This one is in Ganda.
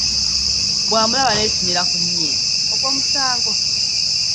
Bw’amulaba n’ekinyira ku nnyindo, ogwo musango.